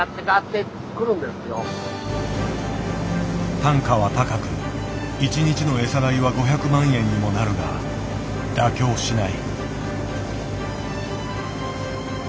単価は高く１日の餌代は５００万円にもなるが妥協しない。